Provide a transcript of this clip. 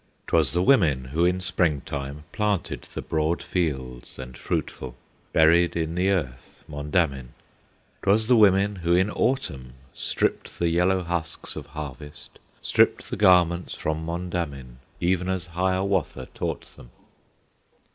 'T was the women who in Spring time Planted the broad fields and fruitful, Buried in the earth Mondamin; 'T was the women who in Autumn Stripped the yellow husks of harvest, Stripped the garments from Mondamin, Even as Hiawatha taught them.